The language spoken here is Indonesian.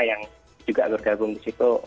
yang juga bergabung di situ